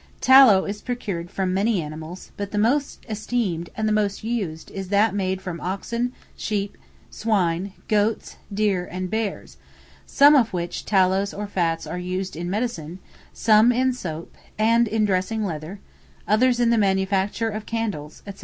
Tallow is procured from many animals, but the most esteemed, and the most used, is that made from oxen, sheep, swine, goats, deer, bears, &c. some of which tallows or fats are used in medicine, some in making soap, and dressing leather; others in the manufacture of candles, &c.